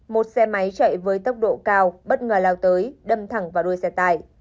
một xe máy chạy với tốc độ cao bất ngờ lao tới đâm thẳng vào đuôi xe tải